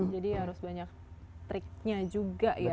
jadi harus banyak triknya juga ya